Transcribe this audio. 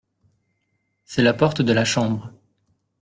C’est la porte de la chambre.